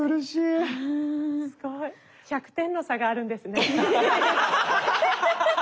１００点の差があるんですね。